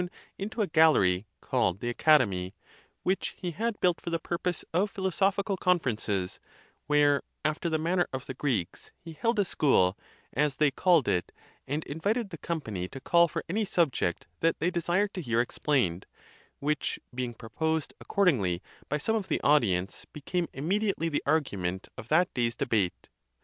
noen into a gallery, called the Academy, which he had built for the purpose of philosophical conferences, where, after the manner of the Greeks, he held a school, as they called it, and invited the company to call for any subject that they desired to hear explained, which being proposed accordingly by some of the audience became immediately the argument of that day's debate.